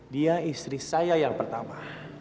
dia istri saya yang pertama